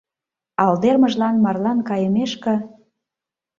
«...Алдермыжлан марлан кайымешке...»